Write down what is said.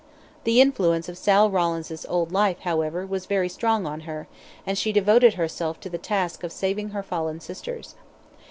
The influence of Sal Rawlins' old life, however, was very strong on her, and she devoted herself to the task of saving her fallen sisters.